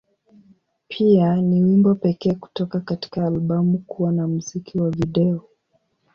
Pia, ni wimbo pekee kutoka katika albamu kuwa na muziki wa video.